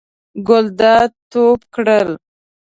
ګلداد ټوپ کړل.